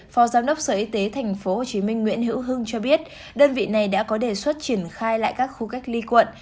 phó giám đốc sở y tế tp hcm nguyễn hữu hưng cho biết đơn vị này đã có đề xuất triển khai lại các khu cách ly quận